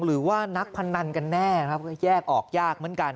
หรือว่านักพนันกันแน่ครับก็แยกออกยากเหมือนกัน